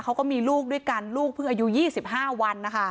เขาก็มีลูกด้วยกันลูกเพิ่งอายุ๒๕วันนะคะ